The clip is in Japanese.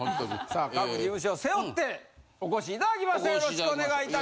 さあ各事務所を背負ってお越しいただきました。